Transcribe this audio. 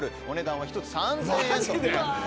お値段は１つ。